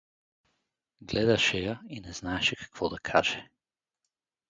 Гледаше я и не знаеше какво да каже.